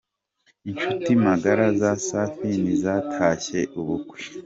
Inshuti magara za Safi ntizatashye ubukwe.